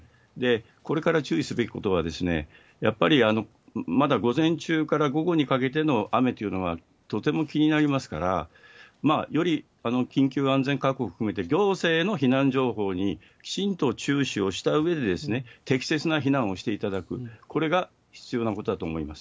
これから注意すべきことはやっぱりまだ午前中から午後にかけての雨というのはとても気になりますから、より緊急安全確保を含めて、行政の避難情報にきちんと注視をしたうえで、適切な避難をしていただく、これが必要なことだと思います。